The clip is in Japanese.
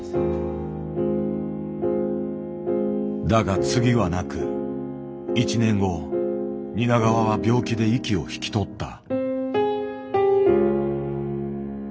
だが次はなく１年後蜷川は病気で息を引き取った。